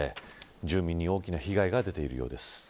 住民に大きな被害が出ているようです。